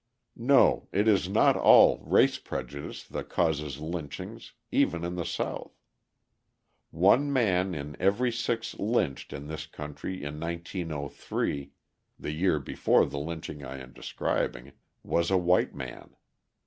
No, it is not all race prejudice that causes lynchings, even in the South. One man in every six lynched in this country in 1903 the year before the lynching I am describing was a white man.